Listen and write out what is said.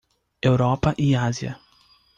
Europa e Ásia.